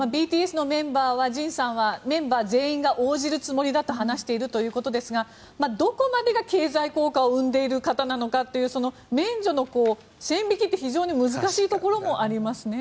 ＢＴＳのメンバーはＪＩＮさんはメンバー全員が応じるつもりだと話しているということですがどこまでが経済効果を生んでいる方なのかというその免除の線引きって非常に難しいところもあります。